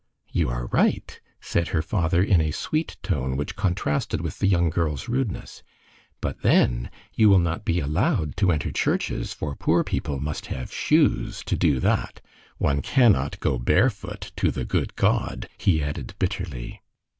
"You are right," said her father, in a sweet tone which contrasted with the young girl's rudeness, "but then, you will not be allowed to enter churches, for poor people must have shoes to do that. One cannot go barefoot to the good God," he added bitterly.